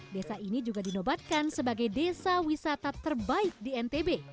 desa ini juga dinobatkan sebagai desa wisata terbaik di ntb